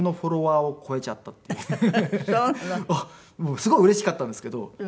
すごいうれしかったんですけど。